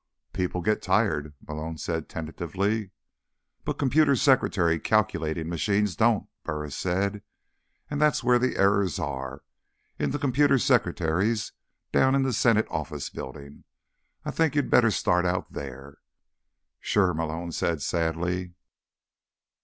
"People get tired," Malone said tentatively. "But computer secretary calculating machines don't," Burris said. "And that's where the errors are, in the computer secretaries down in the Senate Office Building. I think you'd better start out there." "Sure," Malone said sadly.